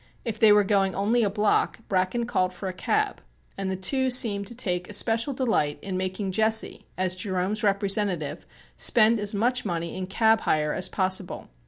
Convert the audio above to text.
If they were going only a block, Bracken called for a cab, and the two seemed to take a special delight in making Jesse, as Jerome's representative, spend as much money in cab hire as possible.